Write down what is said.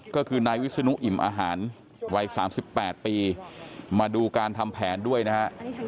ก็คือนายวิศนุอิ่มอาหารวัย๓๘ปีมาดูการทำแผนด้วยนะฮะ